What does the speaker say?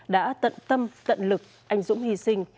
đã tận tâm tận lực anh dũng hy sinh